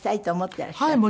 はい。